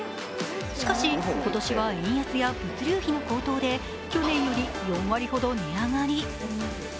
しかし、今年は円安や物流費の高騰で去年より４割ほど値上がり。